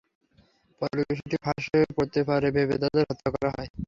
পরে বিষয়টি ফাঁস হয়ে পড়তে পারে ভেবে তাদের হত্যা করা হয়।